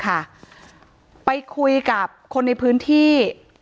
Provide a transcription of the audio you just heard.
ถ้าใครอยากรู้ว่าลุงพลมีโปรแกรมทำอะไรที่ไหนยังไง